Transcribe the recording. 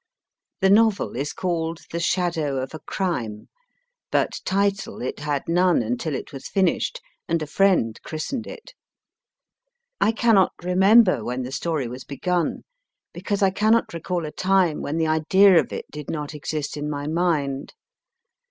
The novel is called The Shadow of a Crime, but title it had none until it was finished, and a friend christened it. I cannot remember when the story was begun, because I cannot recall a time when the idea of it did not exist in my mind.